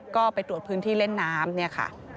ก็ไปตรวจพื้นที่เล่นน้ำ